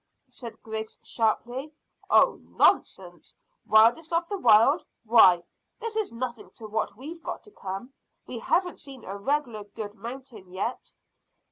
said Griggs sharply. "Oh, nonsense! Wildest of the wild? Why, this is nothing to what we've got to come. We haven't seen a regular good mountain yet."